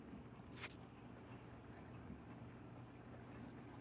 After arriving in Japan, she was broken up for scrap.